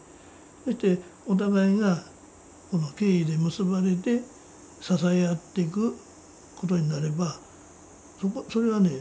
そしてお互いが敬意で結ばれて支え合っていくことになればそれはね